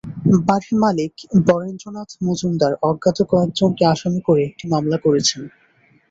বাড়ির মালিক বরেন্দ্র নাথ মজুমদার অজ্ঞাত কয়েকজনকে আসামি করে একটি মামলা করেছেন।